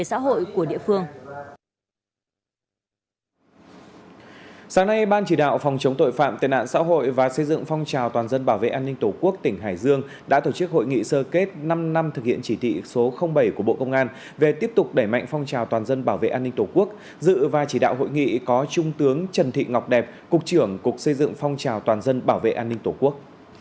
sáng nay ban chỉ đạo phòng chống tội phạm tên ạn xã hội và xây dựng phong trào toàn dân bảo vệ an ninh tổ quốc tỉnh hải dương đã tổ chức hội nghị sơ kết năm năm thực hiện chỉ thị số bảy của bộ công an về tiếp tục đẩy mạnh phong trào toàn dân bảo vệ an ninh tổ quốc dự và chỉ đạo hội nghị có trung tướng trần thị ngọc đẹp cục trưởng cục xây dựng phong trào toàn dân bảo vệ an ninh tổ quốc